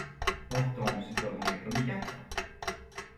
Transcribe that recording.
Hortense Il doit manger comme quatre.